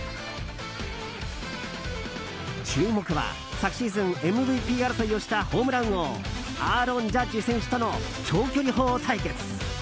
注目は昨シーズンＭＶＰ争いをしたホームラン王アーロン・ジャッジ選手との長距離砲対決。